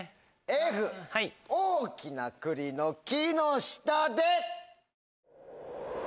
Ｆ『大きな栗の木の下で』！